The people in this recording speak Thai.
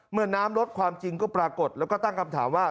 น้ำลดความจริงก็ปรากฏแล้วก็ตั้งคำถามว่า